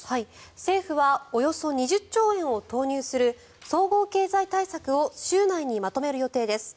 政府はおよそ２０兆円を投入する総合経済対策を週内にまとめる予定です。